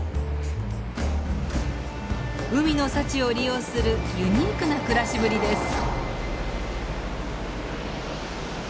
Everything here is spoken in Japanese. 海の幸を利用するユニークな暮らしぶりです。